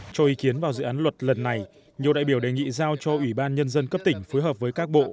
cho ý kiến vào dự án luật lần này nhiều đại biểu đề nghị giao cho ủy ban nhân dân cấp tỉnh phối hợp với các bộ